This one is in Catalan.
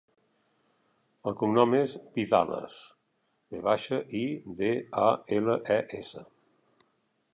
El cognom és Vidales: ve baixa, i, de, a, ela, e, essa.